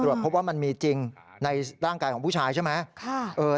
พบว่ามันมีจริงในร่างกายของผู้ชายใช่ไหม